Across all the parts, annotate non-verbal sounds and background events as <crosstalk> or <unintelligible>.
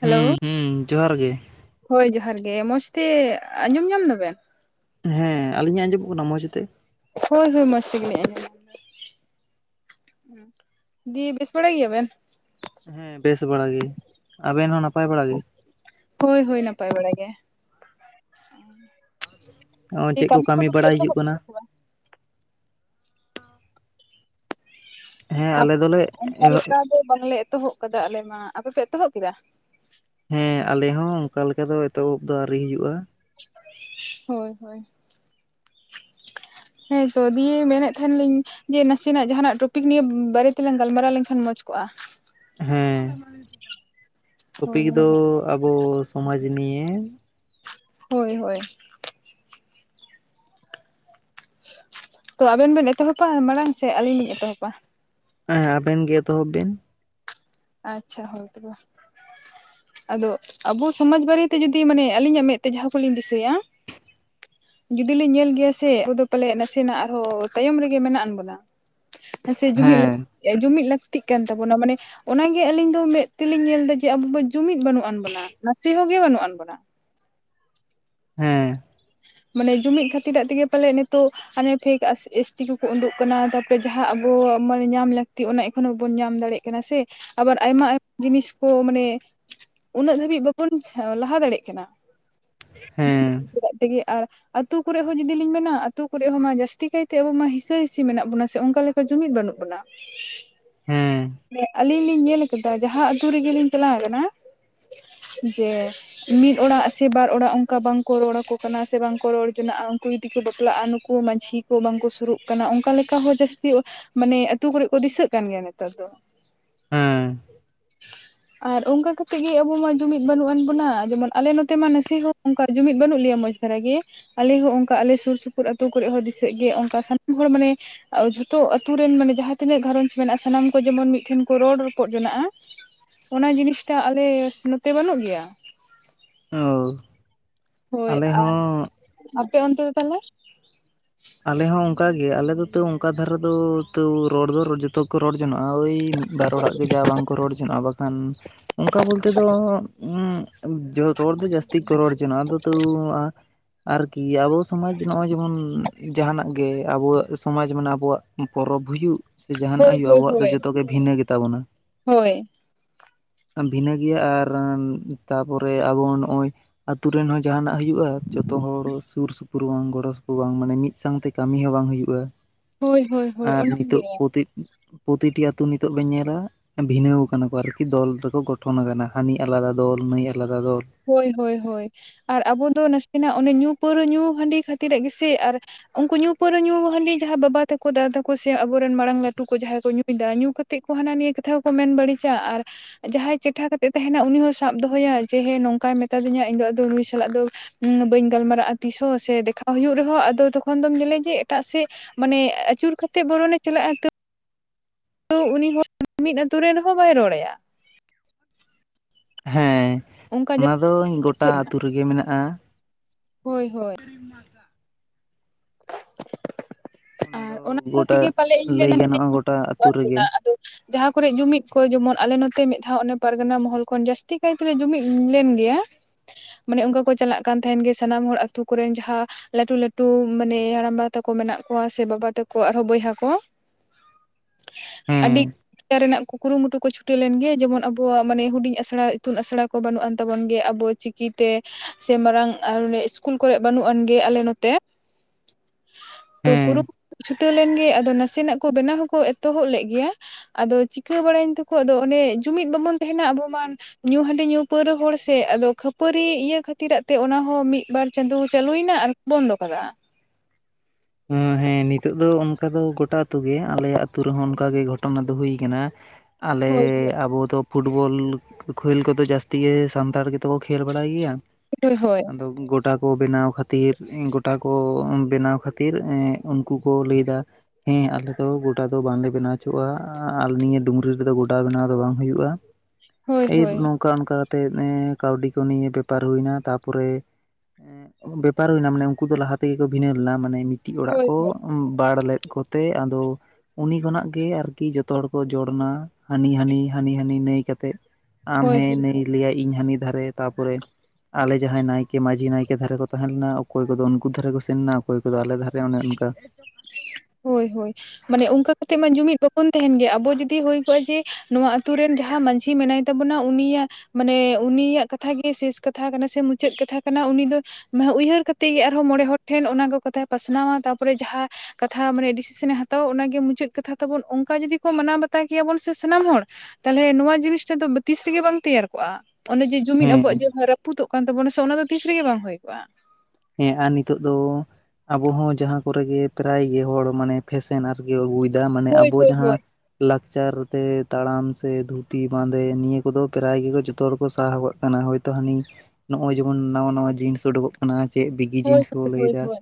ᱦᱩᱸ ᱦᱮᱞᱳ ᱦᱩᱸ ᱡᱚᱦᱟᱨ ᱜᱮ ᱦᱳᱭ ᱡᱚᱦᱟᱨ ᱜᱮ ᱢᱚᱸᱡᱽᱛᱮ ᱟᱸᱡᱚᱢ ᱧᱟᱢ ᱫᱟᱵᱮᱱ ᱦᱮᱸ ᱟᱞᱤᱧᱟᱜ ᱟᱡᱚᱢᱚᱜ ᱠᱟᱱᱟ ᱢᱚᱡᱽ ᱛᱮ ᱦᱳᱭ ᱦᱳᱭ ᱢᱚᱡᱽ ᱛᱮ ᱜᱮ ᱞᱤᱧ ᱟᱡᱚᱢᱮᱜ-ᱟ ᱫᱤᱭᱮ ᱵᱮᱥ ᱵᱟᱲᱟ ᱜᱮᱭᱟ ᱵᱮᱱ ᱦᱮᱸ ᱵᱮᱥ ᱵᱟᱲᱟᱟᱜ ᱜᱮ ᱟᱵᱮᱱ ᱦᱚᱸ ᱱᱟᱯᱟᱭ ᱵᱟᱲᱟᱟ ᱜᱮ ᱦᱳᱭ ᱦᱳᱭ ᱱᱟᱯᱟᱭ ᱵᱟᱲᱟ ᱜᱮ ᱱᱚᱜᱼᱚᱭ ᱞᱟᱹᱭ ᱪᱮᱫ ᱠᱟᱢᱤ ᱠᱚ ᱠᱟᱹᱢᱤ ᱯᱮ ᱵᱟᱲᱟᱭ ᱦᱩᱭᱩᱜ ᱮᱛᱚᱦᱚᱵ ᱠᱟᱱᱟ ᱠᱮᱫᱟ ᱛᱚ ᱦᱮᱸ ᱟᱞᱮ ᱫᱚᱞᱮ ᱚᱝᱠᱟ ᱮᱦᱚᱵ ᱞᱮᱠᱟ ᱫᱚ ᱵᱟᱝᱞᱮ ᱮᱛᱚᱦᱚᱵᱽ ᱟᱠᱟᱫᱟ ᱟᱞᱮ ᱢᱟ ᱟᱯᱮ ᱯᱮ ᱮᱛᱚᱦᱚᱵᱽ ᱠᱮᱫᱟ ᱦᱮᱸ ᱟᱞᱮ ᱦᱚᱸ ᱚᱝᱠᱟ ᱞᱮᱠᱟ ᱫᱚ ᱮᱛᱚᱦᱚᱵᱽ ᱫᱚ ᱟᱣᱨᱤ ᱦᱩᱭᱩᱜᱼᱟ ᱦᱳᱭ ᱦᱳᱭ ᱦᱮᱸ ᱛᱚ ᱫᱤᱭᱮ ᱢᱮᱱᱮᱫ ᱛᱟᱦᱮ ᱞᱤᱧ ᱡᱮ ᱱᱟᱥᱮᱱᱟᱜ ᱡᱟᱦᱟᱱᱟᱜ ᱴᱚᱯᱤᱠ ᱱᱤᱭᱟᱹ ᱵᱟᱨᱮ ᱛᱮᱞᱟᱝ ᱜᱟᱞᱢᱟᱨᱟᱣ ᱞᱮᱱ ᱠᱷᱟᱱ ᱢᱚᱸᱡᱽ ᱠᱚᱜᱼᱟ᱾ ᱦᱮᱸ ᱴᱚᱯᱤᱠ ᱫᱚ ᱟᱵᱚ ᱥᱚᱢᱟᱡᱽ ᱱᱤᱭᱮ ᱦᱳᱭ ᱦᱳᱭ ᱛᱚ ᱟᱵᱮᱱ ᱵᱮᱱ ᱮᱛᱚᱦᱚᱯᱟ ᱢᱟᱲᱟᱝ ᱥᱮ ᱟᱹᱞᱤᱧ ᱞᱤᱧ ᱮᱛᱚᱦᱚᱯᱟ ᱦᱮᱸ ᱟᱵᱮᱱ ᱜᱮ ᱮᱛᱚᱦᱚᱵ ᱵᱮᱱ ᱟᱪᱪᱷᱟ ᱦᱳᱭ ᱛᱚᱵᱮ ᱟᱫᱚ ᱟᱵᱚ ᱥᱚᱢᱟᱡᱽ ᱵᱟᱨᱮᱛᱮ ᱡᱩᱫᱤ ᱢᱟᱱᱮ ᱟᱞᱤᱧᱟᱜ ᱢᱮᱫ ᱛᱮ ᱡᱟᱦᱟᱸ ᱠᱚᱞᱤᱧ ᱫᱤᱥᱟᱹᱭᱟ ᱡᱚᱫᱤ ᱞᱤᱧ ᱧᱮᱞ ᱜᱮᱭᱟ ᱥᱮ ᱟᱵᱚ ᱫᱚ ᱯᱟᱞᱮ ᱱᱟᱥᱮᱱᱟᱜ ᱟᱨᱦᱚᱸ ᱛᱟᱭᱚᱢ ᱨᱮᱜᱮ ᱢᱮᱱᱟ ᱟᱱ ᱵᱚᱱᱟ ᱦᱮᱸ ᱥᱮ ᱡᱩᱢᱤᱫ ᱞᱟᱹᱠᱛᱤ ᱡᱩᱢᱤᱫ ᱞᱟᱹᱠᱛᱤᱜ ᱠᱟᱱ ᱛᱟᱵᱚᱱᱟ ᱢᱟᱱᱮ ᱚᱱᱟᱜᱮ ᱟᱞᱤᱧ ᱫᱚ ᱢᱮᱫ ᱛᱮᱞᱤᱧ ᱧᱮᱞᱫᱟ ᱡᱮ ᱟᱵᱚ ᱫᱚ ᱡᱩᱢᱤᱫ ᱵᱟᱹᱱᱩᱜ ᱟᱱ ᱵᱚᱱᱟ ᱱᱟᱥᱮ ᱦᱚᱸᱜᱮ ᱵᱟᱹᱱᱩᱜ ᱟᱱ ᱵᱚᱱᱟ ᱦᱮᱸ ᱢᱟᱱᱮ ᱡᱩᱢᱤᱫ ᱠᱷᱟᱹᱛᱤᱨᱟᱜ ᱛᱮᱜᱮ ᱯᱟᱞᱮ ᱱᱤᱛᱚᱜ ᱦᱟᱱᱮ ᱯᱷᱮᱠ ᱟᱥ ᱮᱥ ᱴᱤ ᱠᱚᱠᱚ ᱩᱰᱩᱜ ᱠᱟᱱᱟ ᱛᱟᱯᱚᱨᱮ ᱡᱟᱦᱟᱸ ᱟᱵᱚ ᱢᱟᱱᱮ ᱧᱟᱢ ᱞᱟᱹᱠᱛᱤ ᱚᱱᱟ ᱮᱠᱷᱚᱱᱳ ᱦᱚᱴᱟᱸᱵᱚᱱ ᱧᱟᱢ ᱫᱟᱲᱮᱜ ᱠᱟᱱᱟ ᱥᱮ ᱟᱵᱟᱨ ᱟᱭᱢᱟ ᱡᱤᱱᱤᱥ ᱠᱚ ᱢᱟᱱᱮ ᱩᱱᱟᱹᱜ ᱫᱷᱟᱹᱵᱤᱡ ᱵᱟᱵᱚᱱ ᱞᱟᱦᱟ ᱫᱟᱲᱮᱜ ᱠᱟᱱᱟ ᱦᱮᱸ ᱪᱮᱫᱟᱜ ᱛᱮᱜᱮ ᱟᱨ ᱟᱛᱩ ᱠᱚᱨᱮ ᱦᱚᱸ ᱡᱩᱫᱤ ᱞᱤᱧ ᱢᱮᱱᱟ ᱟᱹᱛᱩ ᱠᱚᱨᱮ ᱦᱚᱸᱢᱟ ᱡᱟᱥᱛᱤ ᱠᱟᱭ ᱛᱮ ᱟᱵᱩ ᱦᱚᱸ ᱟᱵᱚ ᱢᱟ ᱦᱤᱥᱟᱹ ᱦᱤᱥᱤ ᱢᱮᱱᱟᱜ ᱵᱚᱱᱟ ᱥᱮ ᱚᱝᱠᱟ ᱞᱮᱠᱟ ᱥᱮ ᱡᱩᱢᱤᱫ ᱵᱟᱹᱱᱩᱜ ᱵᱚᱱᱟ ᱦᱮᱸ ᱟᱞᱤᱧ ᱞᱤᱧ ᱧᱮᱞ ᱟᱠᱟᱫᱟ ᱡᱟᱦᱟᱸ ᱟᱛᱩ ᱨᱮᱜᱮᱞᱤᱧ ᱪᱟᱞᱟᱣ ᱠᱟᱱᱟ ᱡᱮ ᱢᱤᱫ ᱚᱲᱟᱜ ᱥᱮ ᱵᱟᱨ ᱚᱲᱟᱜ ᱚᱝᱠᱟ ᱵᱟᱝ ᱠᱚ ᱨᱚᱲᱟ ᱠᱚ ᱠᱟᱱᱟ ᱥᱮ ᱵᱟᱝᱠᱚ ᱨᱚᱲ ᱡᱚᱱᱟᱜᱼᱟ ᱩᱝᱠᱩ ᱡᱩᱫᱤ ᱠᱚ ᱵᱟᱯᱞᱟᱜᱼᱟ ᱱᱩᱠᱩ ᱢᱟᱡᱷᱤ ᱠᱚ ᱵᱟᱝᱠᱚ ᱥᱩᱨᱩᱜ ᱠᱟᱱᱟ ᱚᱱᱠᱟ ᱞᱮᱠᱟ ᱦᱚᱸ ᱡᱟᱥᱛᱤ ᱢᱟᱱᱮ ᱟᱹᱛᱩ ᱠᱚᱨᱮ ᱠᱚ ᱫᱤᱥᱟᱹᱜ ᱠᱟᱱ ᱜᱮᱭᱟ ᱱᱮᱛᱟᱨ ᱫᱚ ᱦᱮᱸ ᱦ <unintelligible> ᱟᱨ ᱚᱝᱠᱟ ᱠᱟᱛᱮᱫ ᱜᱮ ᱟᱵᱚ ᱢᱟ ᱡᱩᱢᱤᱫ ᱵᱟᱹᱱᱩᱜ ᱟᱱ ᱵᱚᱱᱟ ᱡᱮᱢᱚᱱ ᱟᱞᱮ ᱱᱚᱛᱮ ᱢᱟ ᱱᱟᱥᱮ ᱦᱚᱸ ᱚᱝᱠᱟ ᱡᱩᱢᱤᱫ ᱵᱟᱹᱱᱩᱜ ᱞᱮᱭᱟ ᱢᱚᱸᱡᱽ ᱠᱚᱨᱜᱮ ᱟᱞᱮ ᱦᱚᱸ ᱚᱝᱠᱟ ᱟᱞᱮ ᱥᱩᱨ ᱥᱩᱯᱩᱨ ᱟᱹᱛᱩ ᱠᱚᱨᱮ ᱦᱚᱸ ᱫᱤᱥᱟᱹᱜ ᱜᱮ ᱚᱝᱠᱟ ᱥᱟᱱᱟᱢ ᱦᱚᱲ ᱢᱟᱱᱮ ᱟᱨ ᱡᱷᱚᱛᱚ ᱟᱛᱩ ᱨᱮᱱ ᱢᱟᱱᱮ ᱡᱟᱦᱟᱸ ᱛᱤᱱᱟᱹᱜ ᱜᱷᱟᱨᱚᱧᱡᱽ ᱢᱮᱱᱟᱜᱼᱟ ᱥᱟᱱᱟᱢ ᱠᱚ ᱡᱮᱢᱚᱱ ᱢᱤᱫ ᱴᱷᱮᱱ ᱠᱚ ᱨᱚᱲ ᱨᱚᱯᱚᱫ ᱡᱚᱱᱟᱜᱼᱟ ᱚᱱᱟ ᱡᱤᱱᱤᱥᱴᱟᱜ ᱟᱞᱮ ᱱᱚᱛᱮ ᱵᱟᱹᱱᱩᱜ ᱜᱮᱭᱟ ᱟᱻᱳᱣ ᱦᱳᱭ ᱟᱨ ᱟᱯᱮ ᱚᱱᱛᱮ ᱫᱚ ᱛᱟᱦᱚᱞᱮ ᱟᱞᱮ ᱦᱚᱸ ᱚᱱᱠᱟᱜᱮ ᱟᱞᱮ ᱫᱚ ᱛᱚ ᱚᱱᱠᱟ ᱫᱷᱟᱨᱮ ᱫᱚ ᱛᱟᱹᱣ ᱨᱚᱲ ᱫᱚ ᱨᱩᱡ ᱡᱚᱛᱚ ᱠᱚ ᱨᱚᱲ ᱡᱚᱱᱚᱜᱼᱟ ᱳᱭ ᱢᱤᱫ ᱵᱟᱨ ᱚᱲᱟᱜ ᱜᱮ ᱡᱟ ᱵᱟᱝᱠᱚ ᱨᱚᱲ ᱡᱚᱱᱚᱜᱼᱟ ᱵᱟᱠᱷᱟᱱ ᱚᱱᱠᱟ ᱵᱚᱞᱛᱮ ᱫᱚ ᱨᱚᱲ ᱫᱚ ᱡᱟᱹᱥᱛᱤ ᱠᱚ ᱨᱚᱲ ᱡᱚᱝᱼᱟ ᱟᱫᱚ ᱛᱟ. ᱣ ᱟᱨᱠᱤ ᱟᱵᱚ ᱥᱚᱢᱟᱡᱽ ᱱᱚᱜᱼᱚᱭ ᱡᱮᱢᱚᱱ ᱡᱟᱦᱟᱱᱟᱜ ᱜᱮ ᱟᱵᱚᱣᱟᱜ ᱥᱚᱢᱟᱡᱽ ᱢᱟᱱᱮ ᱟᱵᱚᱣᱟᱜ ᱯᱚᱨᱚᱵᱽ ᱦᱩᱭᱩᱜ ᱥᱮ ᱡᱟᱦᱟᱱᱟᱜ ᱦᱳᱭ ᱦᱳᱭᱳᱜ ᱦᱳᱭ ᱟᱵᱚᱣᱟᱜ ᱫᱚ ᱦᱳᱭ ᱡᱚᱛᱚᱜᱮ ᱵᱷᱤᱱᱟᱹ ᱜᱮᱛᱟᱵᱚᱱᱟ ᱦᱳᱭ ᱵᱷᱤᱱᱟᱹ ᱜᱮᱭᱟ ᱟᱨ ᱛᱟᱯᱚᱨᱮ ᱟᱵᱚ ᱱᱚᱜᱼᱚᱭ ᱟᱛᱳ ᱨᱮᱱ ᱦᱚᱸ ᱡᱟᱦᱟᱱᱟᱜ ᱦᱩᱭᱩᱜᱼᱟ ᱡᱚᱛᱚ ᱦᱚᱲ ᱥᱩᱨ ᱥᱩᱯᱩᱨ ᱵᱟᱝ ᱜᱚᱲᱚ ᱥᱚᱯᱚᱫ ᱵᱟᱝ ᱢᱟᱱᱮ ᱢᱤᱫ ᱥᱟᱶᱛᱮ ᱠᱟᱹᱢᱤ ᱦᱚᱸ ᱵᱟᱝ ᱦᱩᱭᱩᱜᱼᱟ ᱦᱳᱭ ᱦᱳᱭ ᱦᱳᱭ ᱟᱨ ᱱᱤᱛᱚᱜ ᱚᱱᱟᱜᱮ ᱯᱚᱛᱤ ᱯᱨᱚᱛᱤᱴᱤ ᱟᱹᱛᱩ ᱱᱤᱛᱚᱜ ᱵᱮᱱ ᱧᱮᱞᱟ ᱵᱷᱤᱱᱟᱹᱣ ᱠᱟᱱᱟ ᱠᱚ ᱟᱨᱠᱤ ᱫᱚᱞ ᱨᱮᱠᱚ ᱜᱚᱴᱷᱚᱱ ᱟᱠᱟᱱᱟ ᱦᱟᱹᱱᱤ ᱟᱞᱟᱫᱟ ᱫᱚᱞ ᱱᱟᱹᱭ ᱟᱞᱟᱫᱟ ᱫᱚᱞ ᱦᱳᱭ ᱦᱳᱭ ᱦᱳᱭ ᱟᱨ ᱟᱵᱚ ᱫᱚ ᱱᱟᱥᱮᱱᱟᱜ ᱚᱱᱮ ᱧᱩ ᱯᱟᱹᱣᱨᱟᱹ ᱧᱩ ᱦᱟᱺᱰᱤ ᱠᱷᱟᱹᱛᱤᱨᱟᱜ ᱜᱮᱥᱮ ᱟᱨ ᱩᱱᱠᱩ ᱧᱩ ᱯᱟᱹᱣᱨᱟᱹ ᱧᱩ ᱦᱟᱺᱰᱤ ᱡᱟᱦᱟᱸᱭ ᱵᱟᱵᱟ ᱛᱟᱠᱚ ᱫᱟᱫᱟ ᱛᱟᱠᱚ ᱥᱮ ᱟᱵᱚᱨᱮᱱ ᱢᱟᱲᱟᱝ ᱞᱟᱹᱴᱩ ᱠᱚ ᱡᱟᱦᱟᱸᱭ ᱠᱚ ᱧᱩᱭᱮᱫᱟ ᱧᱩ ᱠᱟᱛᱮ ᱛᱮ ᱠᱚ ᱦᱟᱱᱟ ᱱᱤᱭᱟᱹ ᱠᱟᱛᱷᱟ ᱠᱚᱠᱚ ᱢᱮᱱ ᱵᱟᱹᱲᱤᱡᱟ ᱟᱨ ᱡᱟᱦᱟᱸᱭ ᱪᱮᱴᱷᱟ ᱠᱟᱛᱮᱜ ᱛᱟᱦᱮᱱᱟ ᱩᱱᱤ ᱦᱚᱸ ᱥᱟᱵ ᱫᱚᱦᱚᱭᱟ ᱡᱮ ᱦᱮᱸ ᱱᱚᱝᱠᱟᱭ ᱢᱮᱛᱟ ᱫᱤᱧᱟ ᱤᱧ ᱫᱚ ᱟᱫᱚ ᱱᱩᱭ ᱥᱟᱞᱟᱜ ᱫᱚ ᱵᱟᱹᱧ ᱜᱟᱞᱢᱟᱨᱟᱜᱼᱟ ᱛᱤᱥᱦᱚᱸ ᱥᱮ ᱫᱮᱠᱷᱟᱣ ᱦᱩᱭᱩᱜ‌ ᱨᱮᱦᱚᱸ ᱟᱫᱚ ᱛᱚᱠᱷᱚᱱ ᱫᱚᱢ ᱧᱮᱞᱟᱭᱟ ᱡᱮ ᱮᱴᱟᱜ ᱥᱮᱫ ᱢᱟᱱᱮ ᱟᱹᱪᱩᱨ ᱠᱟᱛᱮᱫ ᱵᱚᱨᱚᱱᱮ ᱪᱟᱞᱟᱜᱼᱟ ᱛᱚ ᱛᱚ ᱩᱱᱤ ᱦᱚᱲ ᱢᱤᱫ ᱟᱛᱳ ᱨᱮᱦᱚᱸ ᱵᱟᱭ ᱨᱚᱲᱟᱭᱟ ᱦᱮᱸ ᱚᱱᱠᱟ ᱚᱱᱟ ᱫᱚ ᱜᱚᱴᱟ ᱡᱟᱹᱥᱛᱤ ᱟᱛᱳ ᱨᱮᱜᱮ ᱢᱮᱱᱟᱜᱼᱟ ᱦᱳᱭ ᱦᱳᱭ ᱟᱨ ᱫᱚ ᱚᱱᱟ ᱠᱚᱛᱮᱜᱮ ᱜᱚᱴᱟ ᱯᱟᱞᱮ ᱤᱧ ᱢᱮᱱᱟ ᱞᱟᱹᱭ ᱜᱟᱱᱚᱜᱼᱟ ᱜᱚᱴᱟ ᱟᱛᱳ ᱨᱮᱜᱮ ᱟᱫᱚ ᱡᱟᱦᱟᱸ ᱠᱚᱨᱮ ᱡᱩᱢᱤᱫ ᱠᱚ ᱡᱮᱢᱚᱱ ᱟᱞᱮ ᱱᱚᱛᱮ ᱢᱤᱫ ᱫᱷᱟᱣ ᱚᱱᱮ ᱯᱟᱨᱜᱟᱱᱟ ᱢᱚᱦᱚᱞ ᱠᱷᱚᱱ ᱡᱟᱹᱥᱛᱤ ᱠᱟᱭᱛᱮ ᱞᱮ ᱡᱩᱢᱤᱫ ᱞᱮᱱ ᱜᱮᱭᱟ ᱢᱟᱱᱮ ᱚᱱᱠᱟ ᱠᱚ ᱪᱟᱞᱟᱜ ᱠᱟᱱ ᱛᱟᱦᱮᱱ ᱜᱮ ᱥᱟᱱᱟᱢ ᱦᱚᱲ ᱟᱛᱳ ᱠᱚᱨᱮᱱ ᱡᱟᱦᱟᱸ ᱞᱟᱹᱴᱩ ᱞᱟᱹᱴᱩ ᱢᱟᱱᱮ ᱦᱟᱲᱟᱢᱵᱟ ᱛᱟᱠᱚ ᱢᱮᱱᱟᱜ ᱠᱚᱣᱟ ᱥᱮ ᱵᱟᱵᱟ ᱛᱟᱠᱚ ᱟᱨᱦᱚᱸ ᱵᱚᱭᱦᱟ ᱠᱚ ᱟᱹᱰᱤ ᱦᱮᱸ ᱨᱮᱱᱟᱜ ᱠᱚ ᱠᱩᱨᱩᱢᱩᱴᱩ ᱠᱚ ᱪᱷᱩᱴᱟ. ᱣ ᱞᱮᱱ ᱜᱮᱭᱟ ᱡᱮᱢᱚᱱ ᱟᱵᱚᱣᱟᱜ ᱢᱟᱱᱮ ᱦᱩᱰᱤᱧ ᱟᱥᱲᱟ ᱤᱛᱩᱱ ᱟᱥᱲᱟ ᱠᱚ ᱵᱟᱹᱱᱩᱜ ᱟᱱ ᱛᱟᱵᱚᱱ ᱜᱮ ᱟᱵᱚ ᱪᱤᱠᱤᱛᱮ ᱥᱮ ᱢᱟᱨᱟᱝ ᱚᱱ ᱤᱥᱠᱩᱞ ᱠᱚᱨᱮ ᱵᱟᱹᱱᱩᱜ ᱟᱱ ᱜᱮ ᱟᱞᱮ ᱱᱚᱛᱮ ᱛᱚ ᱦᱮᱸ ᱠᱩᱨᱩᱢᱩᱴᱩ ᱪᱷᱩᱴᱟᱹᱣ ᱞᱮᱱᱜᱮ ᱟᱫᱚ ᱱᱟᱥᱮᱱᱟᱜ ᱠᱚ ᱵᱮᱱᱟᱣ ᱦᱚᱸᱠᱚ ᱮᱛᱚᱦᱚᱵ ᱞᱮᱫ ᱜᱮᱭᱟ ᱟᱫᱚ ᱪᱤᱠᱟᱹ ᱵᱟᱲᱟᱭᱮᱱ ᱛᱟᱠᱚ ᱟᱫᱚ ᱚᱱᱮ ᱡᱩᱢᱤᱫ ᱵᱟᱵᱚᱱ ᱛᱟᱦᱮᱱᱟ ᱟᱵᱚ ᱢᱟᱱ ᱧᱩ ᱦᱟᱺᱰᱤ ᱧᱩ ᱯᱟᱹᱣᱨᱟᱹ ᱦᱚᱲ ᱥᱮ ᱟᱫᱚ ᱠᱷᱟᱹᱯᱟᱹᱨᱤ ᱤᱭᱟᱹ ᱠᱷᱟᱹᱛᱤᱨᱟᱜ ᱛᱮ ᱚᱱᱟᱦᱚᱸ ᱢᱤᱫᱵᱟᱨ ᱪᱟᱸᱫᱳ ᱪᱟᱹᱞᱩᱭᱮᱱᱟ ᱟᱨ ᱵᱚᱱᱫᱚ ᱠᱟᱫᱟᱜ ᱦᱮᱸ ᱱᱤᱛᱚᱜ ᱫᱚ ᱚᱱᱠᱟ ᱫᱚ ᱜᱳᱚᱴᱟ ᱟᱹᱛᱩᱳ ᱜᱮ ᱟᱞᱮᱭᱟᱜ ᱟᱹᱛᱩ ᱨᱮᱦᱚᱸ ᱚᱱᱠᱟᱜᱮ ᱜᱷᱚᱴᱚᱱᱟ ᱫᱚ ᱦᱩᱭ ᱠᱟᱱᱟ ᱟᱞᱮ ᱦᱳᱭ ᱟᱵᱚᱫᱚ ᱯᱷᱩᱴᱵᱚᱞ ᱠᱷᱮᱞ ᱠᱚᱫᱚ ᱡᱟᱹᱥᱛᱤ ᱜᱮ ᱥᱟᱱᱛᱟᱲ ᱜᱮᱛᱚ ᱠᱚ ᱠᱷᱮᱞ ᱵᱟᱲᱟᱭ ᱜᱮᱭᱟ ᱦᱳᱭ ᱦᱳᱭ ᱟᱫᱚ ᱜᱚᱰᱟ ᱠᱚ ᱵᱮᱱᱟᱣ ᱠᱷᱟᱹᱛᱤᱨ ᱜᱚᱰᱟ ᱠᱚ ᱵᱮᱱᱟᱣ ᱠᱷᱟᱹᱛᱤᱨ ᱠᱷᱟᱹᱛᱤᱨ ᱮᱸ ᱩᱱᱠᱩ ᱠᱚ ᱞᱟᱹᱭ ᱮᱫᱟ ᱦᱮᱸ ᱟᱞᱮ ᱫᱚ ᱜᱚᱰᱟ ᱫᱚ ᱵᱟᱝᱞᱮ ᱵᱮᱱᱟᱣ ᱚᱪᱚᱣᱟᱜᱼᱟ ᱟᱞᱮ ᱱᱤᱭᱟᱹ ᱰᱩᱝᱨᱤ ᱨᱮᱫᱚ ᱜᱚᱰᱟ ᱵᱮᱱᱟᱣ ᱫᱚ ᱵᱟᱝ ᱦᱩᱭᱩᱜᱼᱟ ᱦᱳᱭ ᱮᱭ ᱦᱳᱭ ᱱᱚᱝᱠᱟ ᱚᱱᱠᱟ ᱠᱟᱛᱮᱫ ᱠᱟᱹᱣᱰᱤ ᱠᱚ ᱱᱤᱭᱮ ᱵᱮᱯᱟᱨ ᱦᱩᱭᱱᱟ ᱛᱟᱨᱯᱚᱨᱮ ᱵᱮᱯᱟᱨ ᱦᱩᱭᱱᱟ ᱢᱟᱱᱮ ᱩᱱᱠᱩ ᱫᱚ ᱞᱟᱦᱟ ᱛᱮᱜᱮ ᱠᱚ ᱵᱷᱤᱱᱟᱹ ᱞᱮᱱᱟ ᱢᱟᱱᱮ ᱢᱤᱫ ᱴᱤᱡ ᱚᱲᱟᱜ ᱦᱳᱭ ᱠᱚ ᱦᱳᱭ ᱵᱟᱲ ᱞᱮᱫ ᱠᱚᱛᱮ ᱟᱫᱚ ᱩᱱᱤ ᱠᱷᱚᱱᱟᱜ ᱜᱮ ᱟᱨᱠᱤ ᱡᱚᱛᱚ ᱦᱚᱲ ᱠᱚ ᱡᱚᱲ ᱮᱱᱟ ᱦᱟᱹᱱᱤ ᱦᱟᱹᱱᱤ ᱦᱟᱹᱱᱤ ᱦᱟᱹᱱᱤ ᱱᱟᱹᱭ ᱠᱟᱛᱮᱫ ᱟᱢ ᱦᱳᱭ ᱦᱮᱸ ᱱᱟᱹᱭ ᱞᱟᱹᱭᱟ ᱤᱧ ᱦᱟᱹᱱᱤ ᱫᱷᱟᱨᱮ ᱛᱟᱯᱚᱨᱮ ᱟᱞᱮ ᱡᱟᱦᱟᱸᱭ ᱱᱟᱭᱠᱮ ᱢᱟᱺᱡᱷᱤ ᱱᱟᱭᱠᱮ ᱫᱷᱟᱨᱮ ᱠᱚ ᱛᱟᱦᱮᱱᱟ ᱚᱠᱚᱭ ᱠᱚᱫᱚ ᱩᱱᱠᱩ ᱫᱷᱟᱨᱮ ᱠᱚ ᱥᱮᱱ ᱞᱮᱱᱟ ᱚᱠᱚᱭ ᱠᱚᱫᱚ ᱟᱞᱮ ᱫᱷᱟᱨᱮ ᱚᱱᱮ ᱚᱱᱠᱟ ᱦᱳᱭ ᱦᱳᱭ ᱢᱟᱱᱮ ᱚᱱᱠᱟ ᱠᱟᱛᱮᱜ ᱢᱟ ᱡᱩᱢᱤᱫ ᱵᱟᱵᱚᱱ ᱛᱟᱦᱮᱱ ᱜᱮᱭᱟ ᱟᱵᱚ ᱡᱩᱚᱫᱤ ᱦᱩᱭᱳ ᱠᱚᱜᱼᱟ ᱡᱮ ᱱᱚᱣᱟ ᱟᱛᱩ ᱨᱮᱱ ᱡᱟᱦᱟᱸ ᱢᱟᱺᱡᱷᱤ ᱢᱮᱱᱟᱭ ᱛᱟᱵᱚᱱᱟ ᱩᱱᱤᱭᱟᱜ ᱢᱟᱱᱮ ᱩᱱᱤᱭᱟᱜ ᱠᱟᱛᱷᱟᱜ ᱜᱮ ᱥᱮᱥ ᱠᱟᱛᱷᱟ ᱠᱟᱱᱟ ᱥᱮ ᱢᱩᱪᱟᱹᱫ ᱠᱟᱛᱷᱟ ᱠᱟᱱᱟ ᱩᱱᱤ ᱫᱚ ᱩᱭᱦᱟᱹᱨ ᱠᱟᱛᱮᱜ ᱜᱮ ᱟᱨᱦᱚᱸ ᱢᱚᱬᱮ ᱦᱚᱲ ᱴᱷᱮᱱ ᱚᱱᱟ ᱠᱚ ᱠᱟᱛᱷᱟᱭ ᱯᱟᱥᱱᱟᱣᱟ ᱛᱟᱨᱯᱚᱨᱮ ᱡᱟᱦᱟᱸ ᱠᱟᱛᱷᱟ ᱢᱟᱱᱮ ᱰᱤᱥᱤᱥᱮᱱ ᱮ ᱦᱟᱛᱟᱣᱟ ᱚᱱᱟᱜᱮ ᱢᱩᱪᱟᱹᱫ ᱠᱟᱛᱷᱟ ᱛᱟᱵᱚᱱ ᱚᱱᱠᱟ ᱡᱩᱫᱤ ᱠᱚ ᱢᱟᱱᱟᱣ ᱵᱟᱛᱟᱣ ᱠᱮᱭᱟᱵᱚᱱ ᱥᱮ ᱥᱟᱱᱟᱢ ᱦᱚᱲ ᱛᱟᱦᱚᱞᱮ ᱱᱚᱣᱟ ᱡᱤᱱᱤᱥᱴᱟ ᱫᱚ ᱛᱤᱥ ᱨᱮᱜᱮ ᱵᱟᱝ ᱛᱮᱭᱟᱨ ᱠᱚᱜᱼᱟ ᱚᱱᱮ ᱡᱮ ᱡᱩᱢᱤᱫ ᱦᱮᱸ ᱟᱵᱚᱣᱟᱜ ᱡᱟᱦᱟᱸ ᱨᱟᱹᱯᱩᱫᱚᱜ ᱠᱟᱱ ᱛᱟᱵᱚᱱᱟ ᱥᱮ ᱚᱱᱟ ᱫᱚ ᱛᱤᱥ ᱨᱮᱜᱮ ᱵᱟᱝ ᱦᱩᱭ ᱠᱚᱜᱼᱟ ᱦᱮᱸ ᱟᱨ ᱱᱤᱛᱚᱜ ᱫᱚ ᱟᱵᱚ ᱦᱚᱸ ᱡᱟᱦᱟᱸ ᱠᱚᱨᱮ ᱜᱮ ᱯᱨᱟᱭ ᱜᱮ ᱦᱚᱲ ᱢᱟᱱᱮ ᱯᱷᱮᱥᱮᱱ ᱟᱨᱜᱮ ᱟᱹᱜᱩᱭᱮᱫᱟ᱾ ᱢᱟᱱᱮ ᱦᱳᱭ ᱟᱵᱚ ᱦᱳᱭ ᱡᱟᱦᱟᱸ ᱦᱳᱭ ᱞᱟᱠᱪᱟᱨ ᱛᱮ ᱛᱟᱲᱟᱢ ᱥᱮ ᱫᱷᱩᱛᱤ ᱵᱟᱸᱫᱮ ᱱᱤᱭᱟᱹ ᱠᱚᱫᱚ ᱯᱨᱟᱭ ᱜᱮᱠᱚ ᱡᱚᱛᱚ ᱦᱚᱲ ᱠᱚ ᱥᱟᱦᱟᱣᱟᱜ ᱠᱟᱱᱟ ᱦᱳᱭ ᱛᱚ ᱦᱟᱱᱤ ᱱᱚᱜ ᱚᱚᱭ ᱡᱮᱢᱚᱱ ᱱᱟᱶᱟ ᱱᱟᱶᱟ ᱡᱤᱱᱥ ᱩᱰᱩᱠᱚᱜ ᱠᱟᱱᱟ ᱪᱮᱫ ᱵᱤᱜᱤ ᱦᱳᱭ ᱡᱤᱱᱤᱥ ᱠᱚ ᱦᱳᱭ ᱞᱟᱹᱭᱫᱟ? ᱦᱳᱭ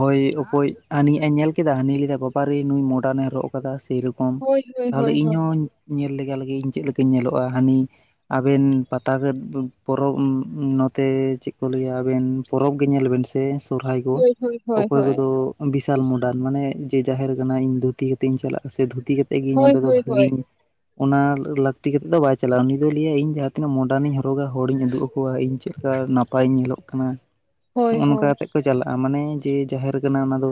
ᱦᱳᱭ ᱚᱠᱚᱭ ᱦᱟᱹᱱᱤᱭᱟᱜ ᱮ ᱧᱮᱞ ᱠᱮᱫᱟ ᱦᱟᱹᱱᱤ ᱞᱮᱫᱟ ᱵᱟᱵᱟ ᱨᱮ ᱱᱩᱭ ᱢᱚᱰᱟᱨᱱᱮ ᱨᱚᱜ ᱠᱟᱫᱟ ᱥᱮᱨᱚᱠᱚᱢ ᱦᱳᱭ ᱦᱳᱭ ᱛᱟᱦᱚᱞᱮ ᱦᱳᱭ ᱦᱳᱭ ᱤᱧᱦᱚᱸ ᱧᱮᱞ ᱞᱮᱜᱟ ᱞᱮᱜᱮ ᱤᱧ ᱪᱮᱫ ᱞᱮᱠᱟᱧ ᱧᱮᱞᱚᱜᱼᱟ ᱦᱟᱹᱱᱤ ᱟᱵᱮᱱ ᱯᱟᱛᱟ ᱜᱮ <unintelligible> ᱵᱚᱨᱦᱚ ᱯᱚᱨᱚᱵᱽ ᱩᱸ ᱱ ᱼᱼ ᱛᱮ ᱪᱮᱫ ᱠᱚ ᱞᱟᱹᱭᱟ ᱟᱵᱮᱱ ᱯᱚᱨᱚᱵᱽ ᱜᱮ ᱧᱮᱞ ᱵᱮᱱ ᱥᱮ ᱥᱚᱨᱚᱦᱟᱭ ᱠᱚ ᱦᱳᱭ ᱦᱳᱭ ᱦᱳᱭ ᱚᱠᱚᱭ ᱦᱳᱭ ᱠᱚᱫᱚ ᱵᱤᱥᱟᱞ ᱢᱳᱰᱟᱱ᱾ ᱢᱟᱱᱮ ᱡᱮ ᱡᱟᱦᱮᱨ ᱠᱟᱱᱟ ᱤᱧ ᱫᱷᱩᱛᱤ ᱠᱟᱛᱮᱧ ᱪᱟᱞᱟᱜᱼᱟ ᱥᱮ ᱫᱷᱩᱛᱤ ᱛᱮᱜᱮᱧ ᱦᱳᱭ ᱚᱸᱰᱮ ᱫᱚ ᱦᱳᱭ ᱦᱳᱭ ᱵᱷᱟᱹᱜᱽᱣᱤᱧ ᱚᱱᱟ ᱞᱟᱹᱠᱛᱤ ᱠᱟᱛᱮᱫ ᱫᱚ ᱵᱟᱭ ᱪᱟᱞᱟᱜᱼᱟ ᱩᱱᱤ ᱫᱚ ᱞᱟᱹᱭᱟ ᱤᱧ ᱡᱟᱦᱟᱸ ᱛᱤᱱᱟᱹᱜ ᱢᱚᱰᱟᱱᱤᱧ ᱦᱚᱨᱚᱜᱟ ᱦᱚᱲᱤᱧ ᱩᱫᱩᱜ ᱟᱠᱚᱣᱟ ᱤᱧ ᱪᱮᱫ ᱼᱼ ᱠᱟ ᱱᱟᱯᱟᱭ ᱧᱮᱞᱚᱜ ᱠᱟᱱᱟ ᱦᱳᱭ ᱦᱳᱭ ᱦᱳᱭ ᱱᱚᱜᱼᱚ ᱱᱚᱝᱠᱟ ᱠᱟᱛᱮ ᱠᱚ ᱪᱟᱞᱟᱜᱼᱟ᱾ ᱢᱟᱱᱮ ᱡᱮ ᱡᱟᱦᱮᱨ ᱠᱟᱱᱟ, ᱚᱱᱟ ᱫᱚ᱾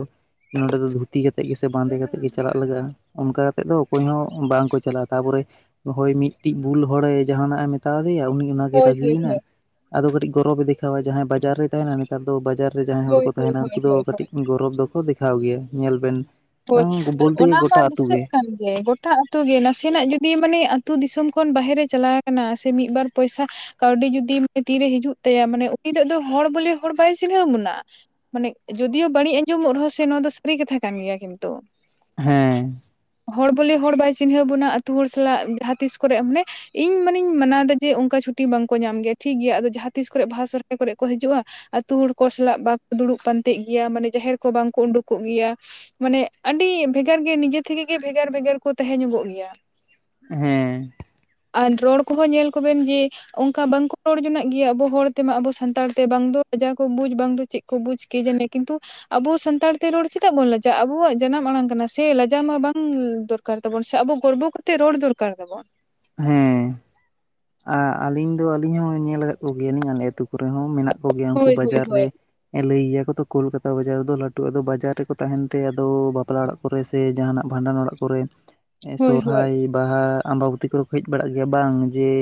ᱱᱚᱸᱰᱮ ᱫᱚ ᱫᱷᱩᱛᱤ ᱠᱟᱛᱮᱫ ᱜᱮ ᱥᱮ ᱵᱟᱸᱫᱮ ᱠᱟᱛᱮᱫ ᱜᱮ ᱪᱟᱞᱟᱜ ᱞᱟᱜᱟᱜᱼᱟ᱾ ᱚᱱᱠᱟ ᱠᱟᱛᱮᱫ ᱫᱚ ᱚᱠᱚᱭ ᱦᱚᱸ ᱵᱟᱝᱠᱚ ᱪᱟᱞᱟᱜᱼᱟ ᱛᱟᱨᱯᱚᱨᱮ ᱦᱳᱭ ᱢᱤᱫ ᱴᱤᱡ ᱵᱩᱞ ᱦᱚᱲᱮ ᱡᱟᱦᱟᱱᱟᱜᱼ ᱮ ᱢᱮᱛᱟ ᱫᱮᱭᱟ ᱩᱱᱤ ᱚᱱᱟᱜᱮ ᱦᱳᱭ ᱦᱳᱭ ᱦᱳᱭ ᱨᱟᱹᱜᱤᱭ ᱱᱟᱭ ᱟᱫᱚ ᱠᱟᱹᱴᱤᱡ ᱜᱚᱨᱚᱵᱽ ᱫᱤᱠ ᱼᱼ ᱛᱚᱵᱮ ᱡᱟᱦᱟᱸᱭ ᱵᱟᱡᱟᱨ ᱨᱮᱭ ᱛᱟᱦᱮᱱᱟ, ᱱᱮᱛᱟᱨ ᱫᱚ ᱵᱟᱡᱟᱨ ᱨᱮ ᱡᱟᱦᱟᱸᱭ ᱦᱚᱲ ᱠᱚ ᱦᱳᱭ ᱦᱳᱭ ᱛᱟᱦᱮᱱᱟ ᱩᱱᱠᱩ ᱦᱳᱭ ᱫᱚ ᱦᱳᱭ ᱠᱟᱹᱴᱤᱡ ᱜᱚᱨᱚᱵᱽ ᱫᱚᱠᱚ ᱫᱮ ᱼᱼ ᱠᱷᱟᱣ ᱜᱮᱭᱟ ᱧᱮᱞ ᱵᱮᱱ ᱦᱳᱭ᱾ ᱟᱨ ᱵᱚᱞᱛᱮ ᱜᱮ ᱚᱱᱟ ᱢᱟ ᱜᱚᱴᱟ ᱟᱹᱛᱩ ᱫᱤᱥᱟᱹᱜ ᱜᱮ ᱠᱟᱱ ᱜᱮᱭᱟ᱾ ᱜᱚ ᱮᱴᱟᱜ ᱟᱹᱛᱩ ᱜᱮ ᱱᱟᱥᱮᱱᱟᱜ ᱡᱩᱫᱤ ᱢᱟᱱᱮ ᱟᱹᱛᱩ ᱫᱤᱥᱚᱢ ᱠᱷᱚᱱ ᱵᱟᱦᱨᱮ ᱪᱟᱞᱟᱣ ᱟᱠᱟᱱᱟ, ᱥᱮ ᱢᱤᱫ ᱵᱟᱨ ᱯᱚᱭᱥᱟ ᱠᱟᱹᱣᱰᱤ ᱡᱩᱫᱤ ᱛᱤ ᱨᱮ ᱦᱤᱡᱩᱜ ᱛᱟᱭᱟ ᱢᱟᱱᱮ ᱩᱱᱤ ᱫᱚ ᱦᱚᱲ ᱵᱚᱞᱮ ᱦᱚᱲ ᱵᱟᱭ ᱪᱤᱱᱦᱟᱹᱣ ᱵᱚᱱᱟ᱾ ᱢᱟᱱᱮ ᱡᱳᱚᱫᱤᱭᱳ ᱵᱟᱹᱲᱤᱡ ᱟᱸᱡᱚᱢᱚᱜ ᱨᱮᱦᱚᱸ ᱥᱮ ᱱᱚᱣᱟ ᱫᱚ ᱥᱟᱨᱤ ᱠᱟᱛᱷᱟ ᱠᱟᱱ ᱜᱮᱭᱟ ᱠᱤᱱᱛᱩ ᱦᱮᱸ᱾ ᱦᱚᱲ ᱵᱚᱞᱮ ᱦᱚᱲ ᱵᱟᱭ ᱪᱤᱱᱦᱟᱹᱣ ᱵᱚᱱᱟ ᱟ. ᱛᱩ ᱦᱚᱲ ᱥᱟᱞᱟᱜ ᱡᱟᱦᱟᱸ ᱛᱤᱥ ᱠᱚᱨᱮ ᱢᱟᱱᱮ ᱤᱧ ᱢᱟᱱᱮᱧ ᱢᱟᱱᱟᱣ ᱫᱟ ᱡᱮ ᱚᱱᱠᱟ ᱪᱷᱩᱴᱤ ᱵᱟᱝᱠᱚ ᱧᱟᱢ ᱜᱮᱭᱟ ᱴᱷᱤᱠ ᱜᱮᱭᱟ ᱟᱫᱚ ᱡᱟᱦᱟᱸ ᱛᱤᱥ ᱠᱚᱨᱮ ᱵᱟᱦᱟ ᱥᱚᱦᱨᱟᱭ ᱠᱚᱨᱮ ᱠᱚ ᱦᱤᱡᱩᱜᱼᱟ ᱟᱹᱛᱩ ᱦᱚᱲ ᱠᱚ ᱥᱟᱞᱟᱜ ᱵᱟᱠᱚ ᱫᱩᱲᱩᱵ ᱯᱟᱱᱛᱮ ᱜᱮᱭᱟ ᱢᱟᱱᱮ ᱡᱟᱦᱮᱨ ᱠᱚ ᱵᱟᱝᱠᱚ ᱩᱰᱩᱠᱚᱜ ᱜᱮᱭᱟ ᱢᱟᱱᱮ ᱟᱹᱰᱤ ᱵᱷᱮᱜᱟᱨ ᱜᱮ ᱱᱤᱡᱮ ᱛᱷᱮᱠᱮ ᱜᱮ ᱵᱷᱮᱜᱟᱨ ᱵᱷᱮᱜᱟᱨ ᱠᱚ ᱛᱟᱦᱮᱸ ᱧᱚᱜᱚᱜ ᱜᱮᱭᱟ ᱦᱮᱸ ᱦᱮᱸ ᱟᱨ ᱨᱚᱲ ᱠᱚᱦᱚᱸ ᱧᱮᱞ ᱠᱚᱵᱮᱱ ᱡᱮ ᱚᱱᱠᱟ ᱵᱟᱝᱠᱚ ᱨᱚᱲ ᱡᱚᱝᱟᱜ ᱜᱮᱭᱟ᱾ ᱟᱵᱚ ᱦᱚᱲ ᱛᱮᱢᱟ ᱟᱵᱚ ᱥᱟᱱᱛᱟᱲ ᱛᱮ ᱵᱟᱝ ᱫᱚ ᱞᱟᱡᱟᱣ ᱵᱩᱡᱽ ᱵᱟᱝ ᱫᱚ ᱪᱮᱫ ᱠᱚ ᱵᱩᱡ ᱠᱤᱡᱟᱱᱤ ᱠᱤᱱᱛᱩ ᱟᱵᱚ ᱥᱟᱱᱛᱟᱲᱛᱮ ᱨᱚᱲ ᱪᱮᱫᱟᱜ ᱵᱚᱱ ᱞᱟᱡᱟᱜᱼᱟ ᱟᱵᱚᱣᱟᱜ ᱡᱟᱱᱟᱢ ᱟᱲᱟᱝ ᱠᱟᱱᱟ ᱥᱮ ᱞᱟᱡᱟᱣ ᱢᱟ ᱵᱟᱝ ᱫᱚᱨ ᱼᱼ ᱫᱚᱨᱠᱟᱨ ᱛᱟᱵᱚᱱ ᱥᱮ ᱟᱵᱚ ᱜᱚᱨᱵᱚ ᱠᱟᱛᱮᱫ ᱨᱚᱲ ᱫᱚᱨᱠᱟᱨ ᱛᱟᱵᱚᱱ ᱦᱮᱸ ᱟᱹᱞᱤᱧ ᱫᱚ ᱟᱹᱞᱤᱧ ᱦᱚᱸ ᱧᱮᱞ ᱟᱠᱟᱫ ᱠᱚᱜᱮᱭᱟᱞᱤᱧ ᱟᱞᱮ ᱟᱹᱛᱩ ᱠᱚᱨᱮ ᱦᱚᱸ ᱢᱮᱱᱟᱜ ᱠᱚᱜᱮᱭᱟ ᱩᱱᱠᱩ ᱦᱳᱭ ᱦᱳᱭ ᱵᱟᱡᱟᱨ ᱨᱮ ᱦᱳᱭ ᱞᱟᱹᱭ ᱜᱮᱭᱟ ᱠᱚ ᱛᱚ ᱠᱳᱞᱠᱟᱛᱟ ᱵᱟᱡᱟᱨ ᱨᱮ ᱫᱚ ᱞᱟᱹᱴᱩ ᱟᱫᱚ ᱵᱟᱡᱟᱨ ᱨᱮᱠᱚ ᱛᱟᱦᱮᱱ ᱛᱮ ᱟᱫᱚ ᱵᱟᱯᱞᱟ ᱚᱲᱟᱜ ᱠᱚᱨᱮ ᱥᱮ ᱡᱟᱦᱟᱱᱟᱜ ᱵᱷᱟᱸᱰᱟᱱ ᱚᱲᱟᱜ ᱠᱚᱨᱮ ᱮ ᱦᱳᱭ ᱦᱳᱭ ᱥᱚᱨᱷᱟᱭ, ᱵᱟᱦᱟ ᱟᱢᱵᱟᱹᱵᱚᱛᱤ ᱠᱚᱨᱮ ᱠᱚ ᱦᱮᱡ ᱵᱟᱲᱟᱜ ᱜᱮᱭᱟ᱾ ᱵᱟᱝ ᱡᱮ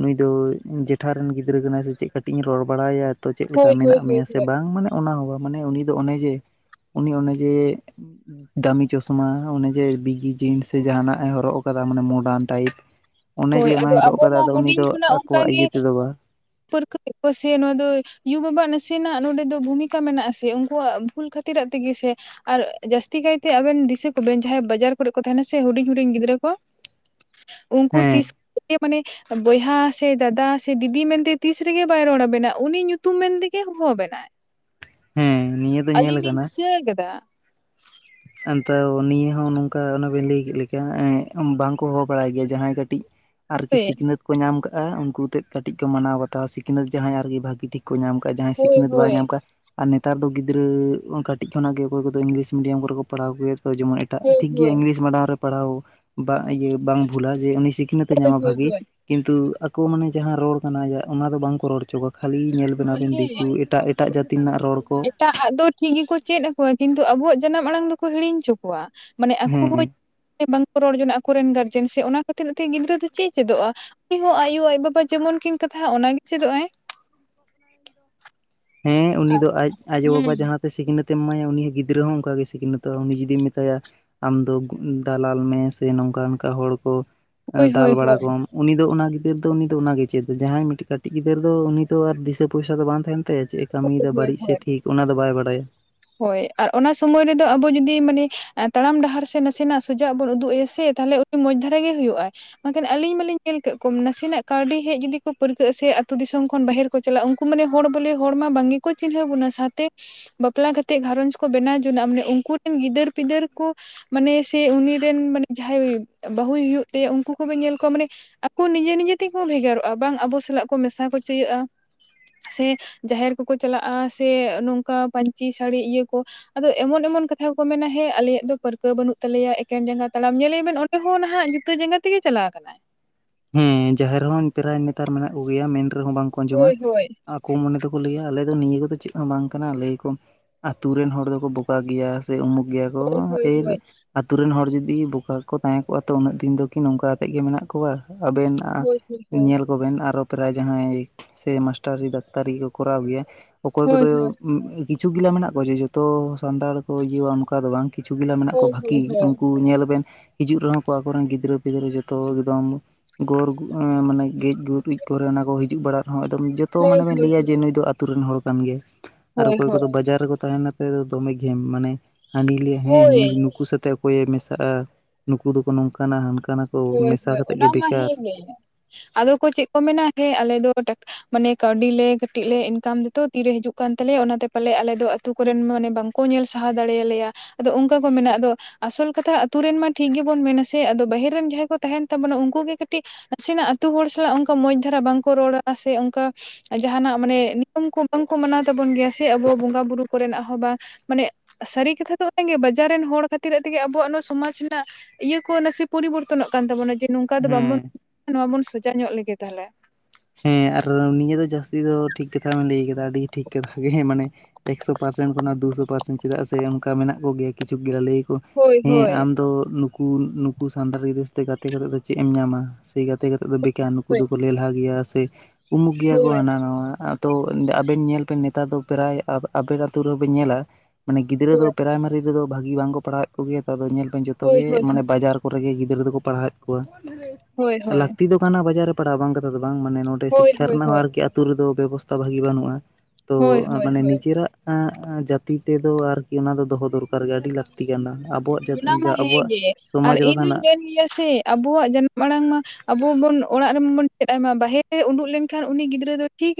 ᱱᱩᱭ ᱫᱚ ᱤᱧ ᱡᱮᱴᱷᱟ ᱨᱮᱱ ᱜᱤᱫᱽᱨᱟᱹ ᱠᱟᱱᱟᱭ ᱥᱮ ᱪᱮᱫ ᱠᱟᱹᱴᱤᱡ ᱤᱧ ᱨᱚᱲ ᱵᱟᱲᱟ ᱟᱭᱟ, ᱪᱮᱫ ᱞᱮᱠᱟ ᱦᱳᱭ ᱦᱳᱭ ᱢᱮᱱᱟᱜ ᱦᱳᱭ ᱢᱮᱭᱟ ᱥᱮ ᱦᱳᱭ ᱵᱟᱝ ᱢᱟᱱᱮ ᱚᱱᱟ ᱦᱚᱸ ᱵᱟᱝ ᱢᱟᱱᱮ ᱩᱱᱤ ᱫᱚ ᱚᱱᱮ ᱡᱮ ᱩᱱᱤ ᱚᱱᱮ ᱡᱮ ᱫᱟᱹᱟᱢᱤ ᱪᱚᱥᱢᱟ᱾ ᱚᱱᱮ ᱡᱮ ᱵᱤᱜᱤ ᱡᱤᱱᱥ ᱥᱮ ᱡᱟᱦᱟᱱᱟᱜᱼᱮ ᱦᱚᱨᱚᱜ ᱟᱠᱟᱫᱟ, ᱢᱟᱱᱮ ᱢᱚᱰᱟᱱ ᱴᱟᱭᱤᱯ <inaudible> ᱚᱱᱮ ᱡᱮ ᱚᱱᱟᱭ ᱟᱫᱚ ᱦᱚᱨᱚᱜ ᱟᱵᱚ ᱠᱟᱫᱟ ᱢᱟ ᱟᱫᱚ ᱩᱱᱤ ᱫᱚ ᱟᱠᱚᱣᱟᱜ ᱤᱭᱟᱹ ᱛᱮᱫᱚ ᱵᱟᱝ ᱯᱟᱹᱨᱠᱟᱹ ᱮᱫ ᱠᱚᱣᱟ ᱥᱮ ᱱᱚᱶᱟ ᱫᱚ ᱭᱩ ᱵᱟᱵᱟ ᱟᱜ ᱱᱟᱥᱮᱱᱟᱜ ᱱᱚᱰᱮ ᱫᱚ ᱵᱷᱩᱢᱤᱠᱟ ᱢᱮᱱᱟᱜᱼᱟ ᱥᱮ ᱩᱱᱠᱩᱣᱟᱜ ᱵᱷᱩᱞ ᱠᱷᱟᱹᱛ ᱠᱷᱟᱹᱛᱤᱨᱟᱜ ᱛᱮᱜᱮ ᱥᱮ ᱟᱨ ᱡᱟᱹᱥᱛᱤ ᱠᱟᱭᱛᱮ ᱟᱵᱮᱱ ᱫᱤᱥᱟᱹ ᱠᱚᱵᱮᱱ ᱡᱟᱦᱟᱸᱭ ᱵᱟᱡᱟᱨ ᱠᱚᱨᱮ ᱠᱚ ᱛᱟᱦᱮᱱᱟ ᱥᱮ ᱦᱩᱰᱤᱧ ᱦᱩᱰᱤᱧ ᱜᱤᱫᱽᱨᱟᱹ ᱠᱚ᱾ ᱩᱱᱠᱩ ᱦᱮᱸ ᱛᱤᱥ ᱠᱚ ᱢᱟᱱᱮ ᱵᱚᱭᱦᱟ ᱥᱮ ᱫᱟᱫᱟ ᱥᱮ ᱫᱤᱫᱤ ᱢᱮᱱᱛᱮ ᱛᱤᱥ ᱨᱮᱜᱮ ᱵᱟᱭ ᱨᱚᱲᱟᱵᱮᱱᱟ ᱩᱱᱤ ᱧᱩᱛᱩᱢ ᱢᱮᱱᱛᱮᱜᱮ ᱦᱚᱦᱚ ᱟᱵᱮᱱᱟ ᱦᱮᱸ ᱱᱤᱭᱟᱹ ᱫᱚ ᱧᱮᱞ ᱟᱹᱞᱤᱧ ᱞᱤᱧ ᱟᱠᱟᱱᱟ ᱫᱤᱥᱟᱹ ᱠᱟᱫᱟ, ᱛᱚ ᱱᱤᱭᱟᱹ ᱦᱚᱸ ᱱᱚᱝᱠᱟ ᱚᱱᱟ ᱵᱤᱱ ᱞᱟᱹᱭ ᱠᱮᱫ ᱞᱮᱠᱟ ᱵᱟᱝᱠᱚ ᱦᱚᱦᱚ ᱵᱟᱲᱟᱭ ᱜᱮᱭᱟ᱾ ᱡᱟᱦᱟᱸᱭ ᱠᱟᱹᱴᱤᱡ ᱟᱨᱠᱤ ᱦᱳᱭ ᱥᱤᱠᱷᱱᱟᱹᱛ ᱠᱚ ᱧᱟᱢ ᱠᱟᱜᱼᱟ ᱩᱱᱠᱩ ᱛᱮᱫ ᱠᱟᱹᱴᱤᱡ ᱠᱚ ᱢᱟᱱᱟᱣ ᱵᱟᱛᱟᱣᱟ ᱥᱤᱠᱷᱱᱟᱹᱛ ᱡᱟᱦᱟᱸᱭ ᱟᱨᱠᱤ ᱵᱷᱟᱹᱜᱤ ᱴᱷᱤᱠ ᱠᱚ ᱧᱟᱢ ᱠᱟᱜ-ᱟ ᱡᱟᱦᱟᱸᱭ ᱦᱳᱭ ᱥᱤᱠᱷᱱᱟᱹᱛ ᱵᱟᱭ ᱦᱳᱭ ᱧᱟᱢ ᱠᱟᱜ-ᱟ ᱟᱨ ᱱᱮᱛᱟᱨ ᱫᱚ ᱜᱤᱫᱽᱨᱟᱹ ᱠᱟᱹᱴᱤᱡ ᱠᱷᱚᱱᱟᱜ ᱜᱮ ᱚᱠᱚᱭ ᱠᱚᱫᱚ ᱤᱝᱞᱤᱥ ᱢᱤᱰᱤᱭᱟᱢ ᱠᱚᱨᱮ ᱠᱚ ᱯᱟᱲᱦᱟᱣ ᱟᱹᱜᱩᱭᱮᱫ ᱠᱚᱣᱟ᱾ ᱡᱮᱢᱚᱱ ᱴᱟᱜ ᱦᱳᱭ ᱴᱷᱤᱠ ᱜᱮᱭᱟ ᱦᱳᱭ ᱤᱝᱞᱤᱥ ᱢᱟᱰᱤᱭᱟᱢ ᱨᱮ ᱯᱟᱲᱦᱟᱣ ᱤᱭᱟᱹ ᱵᱟᱝ ᱵᱷᱩᱞᱟ ᱡᱮ ᱩᱱᱤ ᱥᱤᱠᱷᱱᱟᱹᱛ ᱮ ᱦᱳᱭ ᱧᱟᱢᱟ ᱦᱳᱭ ᱵᱷᱟᱜᱮ᱾ ᱦᱳᱭ ᱠᱤᱱᱛᱩ ᱟᱠᱚ ᱢᱟᱱᱮ ᱡᱟᱦᱟᱸ ᱨᱚᱲ ᱠᱟᱱᱟ, ᱚᱱᱟ ᱫᱚ ᱵᱟᱝ ᱠᱚ ᱨᱚᱲ ᱦᱚᱪᱚ ᱠᱚᱣᱟ᱾ ᱠᱷᱟᱹᱞᱤ ᱧᱮᱞ ᱟᱵᱮᱱ ᱟᱵᱮᱱ ᱫᱤᱠᱩ ᱮᱴᱟᱜ ᱮᱴᱟᱜ ᱡᱟᱹᱛᱤ ᱨᱮᱱᱟᱜ ᱨᱚᱲ ᱠᱚ ᱮᱴᱟᱜᱼᱟᱜ ᱫᱚ ᱴᱷᱤᱠ ᱜᱮᱠᱚ ᱪᱮᱫ ᱟᱠᱚᱣᱟ ᱠᱤᱱᱛᱩ ᱟᱵᱚᱣᱟᱜ ᱡᱟᱱᱟᱢ ᱟᱲᱟᱝ ᱫᱚᱠᱚ ᱦᱤᱲᱤᱧ ᱦᱚᱪᱚ ᱠᱚᱣᱟ ᱢᱟᱱᱮ ᱟᱠᱚ ᱦᱮᱸ ᱦᱚᱸ ᱵᱟᱝᱠᱚ ᱨᱚᱲ ᱡᱚᱱᱟᱜ-ᱟ, ᱟᱠᱚᱨᱮᱱ ᱜᱟᱨᱡᱮᱱ ᱥᱮ ᱚᱱᱟ ᱠᱷᱟᱹᱛᱤᱨ ᱛᱮ ᱜᱤᱫᱽᱨᱟᱹ ᱫᱚ ᱪᱮᱫ ᱮ ᱪᱮᱫᱚᱜᱼᱟ? ᱩᱱᱤ ᱦᱚᱸ ᱟᱭᱳ ᱟᱡ ᱵᱟᱵᱟ ᱡᱮᱢᱚᱱ ᱠᱤᱱ ᱠᱟᱛᱷᱟᱭ ᱚᱱᱟᱜᱮ ᱪᱮᱫᱚᱜ ᱟᱭ᱾ ᱦᱮᱸ ᱩᱱᱤ ᱫᱚ ᱟᱡ ᱟᱭᱳ ᱵᱟᱵᱟ ᱦᱩᱸ ᱡᱟᱦᱟᱸ ᱥᱤᱠᱷᱱᱟᱹᱛ ᱮᱢ ᱮᱢᱟᱭᱟ ᱩᱱᱤᱦᱚᱸ ᱜᱤᱫᱽᱨᱟᱹ ᱦᱚᱸ ᱚᱱᱠᱟᱜ ᱜᱮ ᱥᱤᱠᱷᱱᱟᱹᱛ ᱚᱜᱼᱟ᱾ ᱩᱱᱤ ᱡᱩᱫᱤᱢ ᱢᱮᱛᱟᱭᱟ ᱟᱢᱫᱚ ᱫᱟᱞᱟᱞ ᱢᱮ ᱥᱮ ᱱᱚᱝᱠᱟ ᱚᱱᱠᱟ ᱦᱚᱲ ᱠᱚ ᱦᱳᱭ ᱫᱟᱞ ᱦᱳᱭ ᱵᱟᱲᱟ ᱦᱳᱭ ᱠᱚᱢ᱾ ᱩᱱᱤ ᱫᱚ ᱚᱱᱟ ᱜᱤᱫᱟᱹᱨ ᱫᱚ ᱩᱱᱤ ᱫᱚ ᱚᱱᱟᱜᱮ ᱪᱮᱫ-ᱟ ᱡᱟᱦᱟᱸᱭ ᱢᱤᱫᱴᱮᱱ ᱠᱟᱹᱴᱤᱡ ᱜᱤᱫᱟᱹᱨ ᱫᱚ ᱩᱱᱤ ᱫᱚ ᱟᱨ ᱫᱤᱥᱟᱹ ᱯᱚᱭᱥᱟ ᱫᱚ ᱵᱟᱝ ᱛᱟᱦᱮᱱ ᱛᱮ ᱪᱮᱫ ᱮ ᱠᱟᱹᱢᱤᱭ ᱦᱳᱭ ᱫᱟ? ᱦᱳᱭ ᱵᱟᱹᱲᱤᱡ ᱦᱳᱭ ᱥᱮ ᱴᱷᱤᱠ ᱚᱱᱟ ᱫᱚ ᱵᱟᱭ ᱵᱟᱰᱟᱭᱟ᱾ ᱦᱳᱭ ᱟᱨ ᱚᱱᱟ ᱥᱩᱢᱚᱭ ᱨᱮᱫᱚ ᱟᱵᱚ ᱡᱩᱫᱤ ᱢᱟᱱᱮ ᱛᱟᱲᱟᱢ ᱰᱟᱦᱟᱨ ᱥᱮ ᱱᱟᱥᱮᱱᱟᱜ ᱥᱚᱡᱟ ᱟᱜ ᱵᱚᱱ ᱩᱫᱩᱜ ᱟᱭᱟ ᱥᱮ ᱛᱟᱦᱚᱞᱮ ᱢᱚᱸᱡᱽ ᱫᱷᱟᱨᱮ ᱜᱮ ᱦᱩᱭᱩᱜᱼᱟᱭ, ᱢᱮᱱᱠᱷᱟᱱ ᱟᱹᱞᱤᱧ ᱢᱟᱞᱤᱧ ᱧᱮᱞ ᱠᱮᱫ ᱠᱚ ᱱᱟᱥᱮᱱᱟᱜ ᱠᱟᱹᱣᱰᱤ ᱦᱮᱡ ᱡᱩᱫᱤ ᱠᱚ ᱯᱟᱹᱨᱠᱟᱹᱜ ᱟ ᱥᱮ ᱟᱹᱛᱩ ᱫᱤᱥᱚᱢ ᱠᱷᱚᱱ ᱵᱟᱦᱮᱨ ᱵᱟᱠ ᱪᱟᱞᱟᱜ-ᱟ, ᱩᱱᱠᱩ ᱢᱟᱱᱮ ᱦᱚᱲ ᱵᱚᱞᱮ ᱦᱚᱲ ᱢᱟ ᱵᱟᱝ ᱜᱮᱠᱚ ᱪᱤᱱᱦᱟᱹᱣ ᱵᱚᱱᱟ᱾ ᱥᱟᱶᱛᱮ ᱵᱟᱠᱚ ᱵᱟᱯᱞᱟ ᱠᱟᱛᱮᱫ ᱜᱷᱟᱨᱚᱸᱧᱡᱽ ᱠᱚ ᱵᱮᱱᱟᱣ ᱡᱚᱱᱟᱜ-ᱟ᱾ ᱢᱟᱱᱮ ᱩᱱᱠᱩ ᱨᱮᱱ ᱜᱤᱫᱟᱹᱨ ᱯᱤᱫᱟᱹᱨ ᱠᱚ ᱢᱟᱱᱮ ᱥᱮ ᱩᱱᱤ ᱨᱮᱱ ᱢᱟᱱᱮ ᱡᱟᱦᱟᱸᱭ ᱵᱟᱹᱦᱩᱭ ᱦᱩᱭᱩᱜ ᱛᱟᱭᱟ, ᱩᱱᱠᱩ ᱠᱚᱵᱮᱱ ᱧᱮᱞ ᱠᱚᱣᱟ᱾ ᱢᱟᱱᱮ ᱟᱠᱚ ᱱᱤᱡᱮ ᱱᱤᱡᱮ ᱛᱮᱜᱮ ᱠᱚ ᱵᱷᱮᱜᱟᱨᱚᱜᱼᱟ ᱵᱟᱝ ᱟᱵᱚ ᱥᱟᱞᱟᱜ ᱠᱚ ᱢᱮᱥᱟ ᱠᱚ ᱪᱟᱹᱭᱚᱜᱼᱟ, ᱥᱮ ᱡᱟᱦᱮᱨ ᱠᱚᱠᱚ ᱪᱟᱞᱟᱜᱼᱟ ᱥᱮ ᱱᱚᱝᱠᱟ ᱯᱟᱹᱧᱪᱤ ᱥᱟᱹᱲᱤ ᱤᱭᱟᱹ ᱠᱚ ᱟᱫᱚ ᱮᱢᱚᱱ ᱮᱢᱚᱱ ᱠᱟᱛᱷᱟ ᱠᱚ ᱠᱚ ᱢᱮᱱᱟ᱾ ᱦᱮᱸ ᱟᱞᱮᱭᱟᱜ ᱫᱚ ᱯᱟᱹᱨᱠᱟᱹᱣ ᱵᱟᱹᱱᱩᱜ ᱛᱟᱞᱮᱭᱟ ᱮᱠᱮᱱ ᱡᱟᱸᱜᱟ ᱛᱟᱲᱟᱢ᱾ ᱧᱮᱞᱮᱭᱟᱵᱤᱱ ᱟᱱ ᱟᱯᱮ ᱦᱚᱸ ᱱᱟᱦᱟᱜ ᱡᱩᱛᱟᱹ ᱡᱟᱸᱜᱟ ᱛᱮᱜᱮ ᱪᱟᱞᱟᱣ ᱟᱠᱟᱱᱟᱭ, ᱦᱮᱸ ᱡᱟᱦᱮᱨ ᱨᱮᱦᱚᱸ ᱯᱮᱨᱟᱭ ᱱᱮᱛᱟᱨ ᱢᱮᱱᱟᱜ ᱠᱚᱜᱮᱭᱟ ᱢᱮᱱ ᱨᱮᱦᱚᱸ ᱵᱟᱝᱠᱚ ᱟᱸᱡᱚᱢᱟ ᱦᱳᱭ ᱦᱳᱭ ᱟᱠᱚ ᱢᱚᱱᱮ ᱛᱮᱠᱚ ᱞᱟᱹᱭᱟ᱾ ᱟᱞᱮ ᱫᱚ ᱱᱤᱭᱟᱹ ᱠᱚᱫᱚ ᱪᱮᱫ ᱦᱚᱸ ᱵᱟᱝ ᱠᱟᱱᱟ ᱞᱟᱹᱭ ᱟᱠᱚ᱾ ᱟᱹᱛᱩ ᱨᱮᱱ ᱦᱚᱲ ᱫᱚᱠᱚ ᱵᱚᱠᱟ ᱜᱮᱭᱟ ᱥᱮ ᱩᱢᱩᱠ ᱜᱮᱭᱟ ᱠᱚ ᱦᱳᱭ ᱦᱳᱭ ᱮᱨ ᱦᱳᱭ ᱟᱛᱳ ᱨᱮᱱ ᱦᱚᱲ ᱡᱩᱫᱤ ᱵᱚᱠᱟ ᱜᱮᱠᱚ ᱛᱟᱦᱮᱸ ᱠᱚᱜᱼᱟ᱾ ᱛᱚ ᱩᱱᱟᱹᱜ ᱫᱤᱱ ᱫᱚ ᱠᱤ ᱱᱚᱝᱠᱟ ᱠᱟᱛᱮᱫ ᱜᱮ ᱢᱮᱱᱟᱜ ᱠᱚᱣᱟ᱾ ᱟᱵᱮᱱ ᱟᱜ ᱦᱳᱭ ᱦᱳᱭ ᱧᱮᱞ ᱠᱚᱵᱮᱱ ᱟᱨᱚ ᱯᱮᱨᱟᱭ ᱡᱟᱦᱟᱸᱭ ᱥᱮ ᱢᱟᱥᱴᱟᱨᱤ ᱰᱟᱠᱛᱟᱨᱤ ᱠᱚ ᱠᱚᱨᱟᱣ ᱜᱮᱭᱟ ᱚᱠᱚᱭ ᱦᱳᱭ ᱠᱚᱫᱚ ᱠᱤᱪᱷᱩ ᱜᱮᱞᱟ ᱢᱮᱱᱟᱜ ᱠᱚᱣᱟ᱾ ᱡᱮ ᱡᱚᱛᱚ ᱥᱟᱱᱛᱟᱲ ᱠᱚ ᱤᱭᱟᱹ ᱟ ᱚᱱᱠᱟ ᱫᱚ ᱵᱟᱝ᱾ ᱠᱤᱪᱷᱩ ᱜᱮᱞᱟ ᱢᱮᱱᱟᱜ ᱦᱳᱭ ᱠᱚᱣᱟ ᱵᱷᱟᱹᱜᱤ ᱦᱳᱭ ᱦᱳᱭ ᱩᱱᱠᱩ ᱧᱮᱞ ᱵᱮᱱ, ᱦᱤᱡᱩᱜ ᱨᱮᱦᱚᱸ ᱠᱚ ᱟᱠᱚᱨᱮᱱ ᱜᱤᱫᱽᱨᱟᱹ ᱯᱤᱫᱽᱨᱟᱹ ᱡᱚᱛᱚ ᱮᱠᱫᱚᱢ ᱜᱚᱨ ᱢᱟᱱᱮ ᱜᱮᱡ ᱜᱩᱨᱤᱡ ᱠᱚᱨᱮ ᱚᱱᱟ ᱠᱚ ᱦᱤᱡᱩᱜ ᱵᱟᱲᱟᱜ ᱨᱮᱦᱚᱸ ᱮᱠᱫᱚᱢ ᱡᱚᱛᱚ ᱦᱳᱭ ᱢᱟᱱᱮ ᱵᱤᱱ ᱦᱳᱭ ᱦᱳᱭ ᱞᱟᱹᱭᱟ ᱡᱮ ᱱᱩᱭ ᱫᱚ ᱟᱛ ᱟᱛᱳ ᱨᱮᱱ ᱦᱚᱲ ᱠᱟᱱ ᱜᱮ, ᱟᱨ ᱦᱳᱭ ᱦᱳᱭ ᱦᱳᱭ ᱚᱠᱚᱭ ᱠᱚᱫᱚ ᱵᱟᱡᱟᱨ ᱨᱮᱠᱚ ᱛᱟᱦᱮᱱᱟ, ᱟᱱᱟᱛᱮ ᱫᱚᱢᱮ ᱜᱷᱮᱢ ᱢᱟᱱᱮ ᱦᱟᱹᱱᱤ ᱞᱟᱹᱭᱟ ᱦᱮ, ᱸ ᱱᱩᱭ ᱦᱳᱭ ᱱᱩᱠᱩ ᱥᱟᱛᱮᱜ ᱚᱠᱚᱭᱮ ᱢᱮᱥᱟᱜᱼᱟ, ᱱᱩᱠᱩ ᱫᱚᱠᱚ ᱱᱚᱝᱠᱟᱱᱟ ᱦᱟᱱᱠᱟᱱᱟ ᱠᱚ ᱾ ᱦᱳᱭ ᱦᱳᱭ ᱚᱱᱟ ᱢᱟ ᱦᱮᱸᱜᱮ ᱟᱫᱚ ᱠᱚ ᱪᱮᱫ ᱠᱚ ᱢᱮᱱᱟ, ᱦᱮᱸ ᱟᱞᱮᱫ ᱫᱚ ᱴᱟᱠᱟ ᱢᱟᱱᱮ ᱠᱟᱹᱣᱰᱤᱮ ᱞᱮ ᱠᱟᱹᱴᱤᱡ ᱞᱮ ᱤᱱᱠᱟᱢ ᱫᱚᱛᱚ ᱛᱤᱨᱮ ᱦᱤᱡᱩᱜ ᱠᱟᱱ ᱛᱟᱞᱮᱭᱟ᱾ ᱚᱱᱟ ᱛᱮ ᱯᱟᱞᱮ ᱟᱞᱮ ᱫᱚ ᱟᱛᱩ ᱠᱚᱨᱮᱱ ᱢᱟᱱᱮ ᱵᱟᱝᱠᱚ ᱧᱮᱞ ᱥᱟᱦᱟᱣ ᱫᱟᱲᱮᱭᱟᱞᱮᱭᱟ ᱾ ᱟᱫᱚ ᱚᱱᱠᱟ ᱠᱚ ᱢᱮᱱᱟ ᱟᱫᱚ ᱟᱥᱚᱞ ᱠᱟᱛᱷᱟ ᱟᱛᱩ ᱨᱮᱱ ᱢᱟ ᱴᱷᱤᱠ ᱜᱮᱵᱚᱱ ᱢᱮᱱᱟ ᱥᱮ ᱟᱫᱚ ᱵᱟᱦᱮᱨ ᱟᱵᱚ ᱨᱮᱱ ᱡᱟᱦᱟᱸᱭ ᱠᱚ ᱛᱟᱦᱮᱱ ᱛᱟᱵᱚᱱᱟ᱾ ᱩᱱᱠᱩ ᱜᱮ ᱠᱟᱹᱴᱤᱡᱽ ᱱᱟᱥᱮ ᱱᱟᱜ ᱟᱹᱛᱩ ᱦᱚᱲ ᱥᱟᱞᱟᱜ ᱚᱱᱠᱟ ᱢᱚᱸᱡᱽ ᱫᱷᱟᱨᱟ ᱵᱟᱝᱠᱚ ᱨᱚᱲᱼᱟ ᱥᱮ ᱚᱱᱠᱟ ᱡᱟᱦᱟᱱᱟᱜ ᱢᱟᱱᱮ ᱱᱤᱭᱚᱢ ᱠᱚ ᱵᱟᱝᱠᱚ ᱢᱟᱱᱟᱣ ᱛᱟᱵᱚᱱ ᱜᱮᱭᱟ ᱥᱮ ᱟᱵᱚ ᱵᱚᱸᱜᱟ ᱵᱩᱨᱩ ᱠᱚᱨᱮ ᱱᱟᱜ ᱦᱚᱸ ᱵᱟᱝ ᱢᱟᱱᱮ ᱥᱟᱹᱨᱤ ᱠᱟᱛᱷᱟ ᱫᱚ ᱚᱱᱟᱜᱮ ᱵᱟᱡᱟᱨ ᱨᱮᱱ ᱦᱚᱲ ᱠᱷᱟᱹᱛᱤᱨᱤ ᱛᱮᱜᱮ ᱟᱵᱚᱣᱟᱜ ᱱᱚᱣᱟ ᱥᱚᱢᱟᱡᱽ ᱨᱮᱱᱟᱜ ᱤᱭᱟᱹ ᱠᱚ ᱱᱟᱥᱮ ᱯᱚᱨᱤᱵᱚᱨᱛᱚᱱᱚᱜ ᱠᱟᱱ ᱛᱟᱵᱚᱱᱟ, ᱡᱮ ᱱᱚᱝᱠᱟ ᱫᱚ ᱵᱟᱝ ᱦᱮᱸ ᱵᱚᱱ ᱱᱚᱣᱟ ᱵᱚᱱ ᱥᱚᱡᱟ ᱧᱚᱜ ᱞᱮᱜᱮ ᱛᱟᱦᱚᱞᱮ, ᱦᱮᱸ ᱟᱨ ᱱᱤᱭᱟᱹ ᱫᱚ ᱡᱟᱹᱥᱛᱤ ᱫᱚ ᱴᱷᱤᱠ ᱠᱟᱛᱷᱟ ᱵᱤᱱ ᱞᱟᱹᱭ ᱠᱟᱫᱟ᱾ ᱟᱹᱰᱤ ᱴᱷᱤᱠ ᱠᱟᱛᱷᱟ ᱜᱮ ᱢᱟᱱᱮ ᱮᱠᱥᱚ ᱯᱟᱨᱥᱮᱱᱴ ᱠᱷᱚᱱᱟᱜ ᱫᱩᱥᱚ ᱯᱟᱨᱥᱮᱱ ᱪᱮᱫᱟᱜ ᱥᱮ ᱚᱱᱠᱟ ᱢᱮᱱᱟᱜ ᱠᱚᱜᱮᱭᱟ ᱠᱤᱪᱷᱩ ᱜᱮ ᱞᱟᱹᱭ ᱦᱳᱭ ᱦᱮᱸ ᱦᱳᱭ ᱟᱢ ᱫᱚ ᱱᱩᱠᱩ ᱩᱞᱞᱩ ᱱᱩᱠᱩ ᱥᱟᱱᱛᱟᱲᱤ ᱜᱤᱫᱽᱨᱟᱹ ᱥᱟᱛᱷᱮ ᱜᱟᱛᱮ ᱠᱟᱛᱮ ᱫᱚ ᱪᱮᱫ ᱮᱢ ᱧᱟᱢᱟ? ᱥᱮ ᱜᱟᱛᱮ ᱠᱟᱛᱮ ᱫᱚ ᱵᱮᱠ <unintelligible> ᱱᱩᱠᱩ ᱦᱳᱭ ᱫᱚᱠᱚ ᱞᱮᱞᱦᱟ ᱜᱮᱭᱟ ᱥᱮ ᱩᱢᱩᱠ ᱜᱮᱭᱟ ᱠᱚ ᱦᱳᱭ ᱦᱟᱱᱟ ᱱᱟᱣᱟ ᱛᱚ ᱟᱵᱤᱱ ᱧᱮᱞ ᱵᱮᱱ ᱱᱮᱛᱟᱨ ᱫᱚ ᱯᱮᱨᱟᱭ ᱟᱵᱮᱱ ᱟᱛᱳ ᱨᱮᱦᱚ ᱵᱤᱱ ᱧᱮᱞᱟ᱾ ᱢᱟᱱᱮ ᱜᱤᱫᱽᱨᱟᱹ ᱦᱳᱭ ᱫᱚ ᱯᱮᱨᱟᱭ ᱢᱟᱨᱤ ᱨᱮᱫᱚ ᱵᱷᱟᱹᱜᱤ ᱵᱟᱝᱠᱚ ᱯᱟᱲᱦᱟᱣᱮᱜ ᱠᱚᱜᱮᱭᱟ, ᱛᱚ ᱟᱫᱚ ᱧᱮᱞ ᱠᱚᱢ ᱡᱷᱚᱛᱚ ᱦᱳᱭ ᱜᱮ ᱦᱳᱭ ᱦᱳᱭ ᱢᱟᱱᱮ ᱵᱟᱡᱟᱨ ᱠᱚᱨᱜᱮ ᱜᱤᱫᱽᱨᱟᱹ ᱫᱚᱠᱚ ᱯᱟᱲᱦᱟᱣᱮᱫ ᱠᱚᱣᱟ, ᱦᱳᱭ ᱦᱳᱭ ᱞᱟᱹᱠᱛᱤ ᱫᱚ ᱠᱟᱱᱟ ᱵᱟᱡᱟᱨ ᱨᱮ ᱯᱟᱲᱦᱟᱣ ᱵᱟᱝ ᱠᱟᱛᱷᱟ ᱫᱚ ᱵᱟᱝ, ᱢᱟᱱᱮ ᱱᱚᱸᱰᱮ ᱚᱰᱮ ᱥᱤᱠᱷᱟ ᱦᱳᱭ ᱦᱳᱭ ᱨᱮᱱᱟᱜ ᱦᱚᱸ ᱟᱨᱠᱤ ᱟᱛᱳ ᱨᱮᱫᱚ ᱵᱮᱵᱚᱥᱛᱷᱟ ᱵᱷᱟᱜᱤ ᱵᱟᱹᱱᱩᱜᱼᱟ ᱾ ᱦᱳᱭ ᱛᱚ ᱦᱳᱭ ᱢᱟᱱᱮ ᱦᱳᱭ ᱱᱤᱡᱮᱨᱟᱜ ᱡᱟᱹᱛᱤ ᱛᱮᱫᱚ ᱟᱨᱠᱤ ᱚᱱᱟ ᱫᱚ ᱫᱚᱦᱚ ᱫᱚᱨᱠᱟᱨ ᱜᱮ, ᱟᱹᱰᱤ ᱞᱟᱹᱠᱛᱤ ᱠᱟᱱᱟ ᱟᱵᱚᱣᱟᱜ ᱚᱱᱟ ᱢᱟ ᱟᱵᱚᱣᱟᱜ ᱦᱮᱸᱜᱮ, ᱟᱨ ᱥᱚᱢᱟᱡᱽ ᱵᱟᱠᱷᱟᱱ ᱤᱧᱫᱩᱧ ᱢᱮᱱ ᱜᱮᱭᱟ ᱥᱮ ᱟᱵᱚᱣᱟᱜ ᱡᱟᱱᱟᱢ ᱟᱲᱟᱝ ᱢᱟ ᱟᱵᱚ ᱵᱚᱱ ᱚᱲᱟᱜ ᱨᱮᱵᱚᱱ ᱪᱮᱫ, ᱟᱭᱢᱟ ᱵᱟᱦᱨᱮ ᱩᱰᱩᱜ ᱞᱮᱱ ᱠᱷᱟᱱ, ᱩᱱᱤ ᱜᱤᱫᱽᱨᱟᱹ ᱫᱚ ᱴᱷᱤᱠ